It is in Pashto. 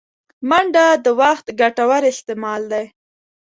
منډه د وخت ګټور استعمال دی